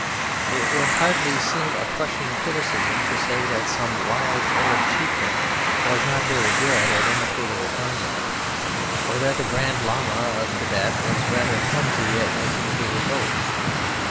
It would hardly seem a crushing criticism to say that some wild Arab chieftain was not very good at imitating a farmyard; or that the Grand Llama of Thibet was rather clumsy at making paper boats.